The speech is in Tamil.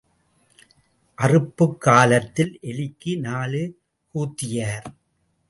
அறுப்புக் காலத்தில் எலிக்கு நாலு கூத்தியார்.